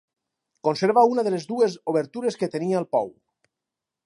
Conserva una de les dues obertures que tenia el pou.